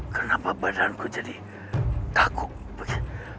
kenapa badanku jadi takut begini